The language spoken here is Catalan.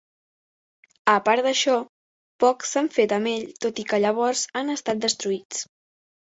A part d'això, pocs s'han fet amb ell tot i que llavors han estat destruïts.